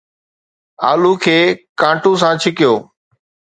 آلو کي ڪانٽو سان ڇڪيو